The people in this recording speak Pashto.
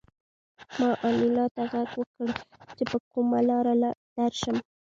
ما انیلا ته غږ وکړ چې په کومه لاره درشم